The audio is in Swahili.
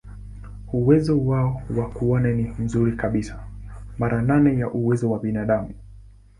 Uwezo wao wa kuona ni mzuri kabisa, mara nane ya uwezo wa binadamu.